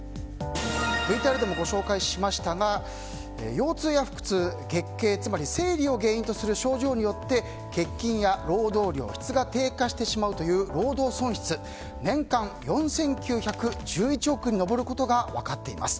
ＶＴＲでもご紹介しましたが腰痛や腹痛つまり生理を原因とする症状によって欠勤や労働量質が低下してしまう労働損失年間４９１１億円に上ることが分かっています。